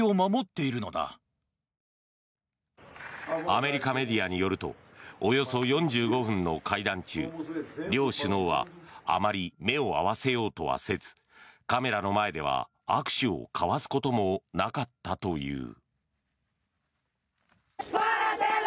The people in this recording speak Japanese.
アメリカメディアによるとおよそ４５分の会談中両首脳はあまり目を合わせようとはせずカメラの前では握手を交わすこともなかったという。